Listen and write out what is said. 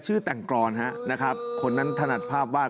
แต่งกรอนฮะนะครับคนนั้นถนัดภาพวาด